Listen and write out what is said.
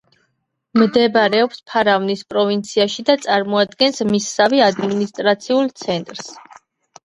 მდებარეობს ფარვანის პროვინციაში და წარმოადგენს მისსავე ადმინისტრაციულ ცენტრს.